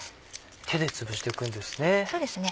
手で潰していくんですね。